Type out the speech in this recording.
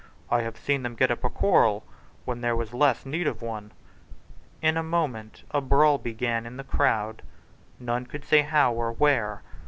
I have seen them get up a quarrel when there was less need of one." In a moment a brawl began in the crowd, none could say how or where.